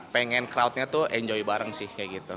pengen crowdnya tuh enjoy bareng sih